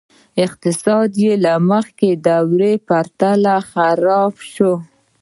اقتصاد یې له مخکې دورې په پرتله خراب شو.